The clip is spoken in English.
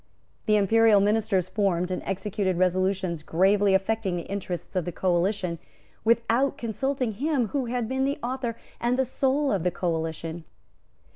The Imperial ministers formed and executed resolutions gravely affecting the interests of the coalition without consulting him who had been the author and the soul of the coalition.